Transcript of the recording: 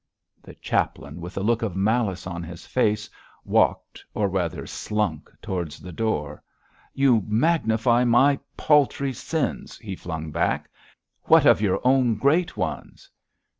The chaplain, with a look of malice on his face, walked, or rather slunk, towards the door. 'You magnify my paltry sins,' he flung back. 'What of your own great ones?'